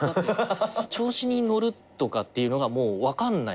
調子に乗るとかっていうのがもう分かんない。